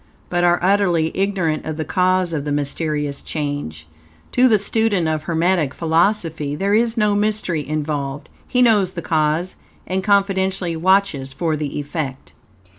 but are utterly ignorant of the cause of the mysterious change. To the student of Hermetic Philosophy there is no mystery involved. He knows the cause, and confidently watches for the effect.